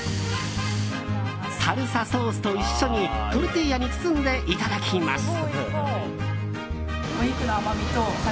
サルサソースと一緒にトルティーヤに包んでいただきます。